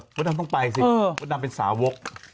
เหรอว่าดำต้องไปสิว่าดำเป็นสาวก